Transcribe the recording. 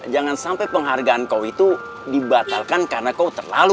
jangan sampai penghargaan kau itu dibatalkan karena kau terlalu